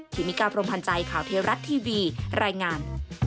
ธินิกาพรมพันธ์ใจข่าวเทียรัตน์ทีวีรายงาน